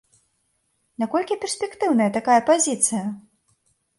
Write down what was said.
Наколькі перспектыўная такая пазіцыя?